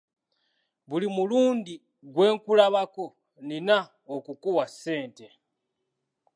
Buli mulundi gwe nkulabako nina okukuwa ssente.